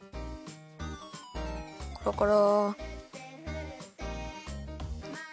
コロコロ。